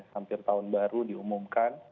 hampir tahun baru diumumkan